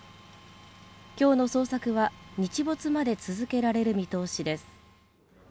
今日の捜索は日没まで続けられる見通しです。